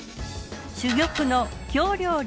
珠玉の京料理